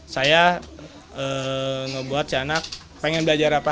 saya ngebuat si anak pengen belajar apa